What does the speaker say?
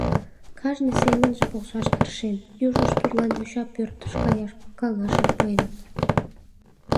Кажне семынже полшаш тыршен Южышт тудлан йоча пӧртыш каяш каҥашым пуэныт.